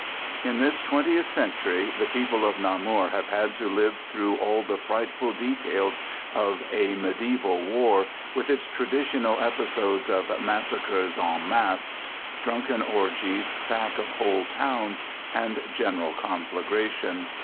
In this twentieth century the people of Namur have had to live through all the frightful details of a mediæval war, with its traditional episodes of massacres en masse, drunken orgies, sack of whole towns, and general conflagration.